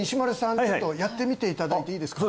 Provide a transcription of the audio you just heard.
ちょっとやってみていただいていいですか？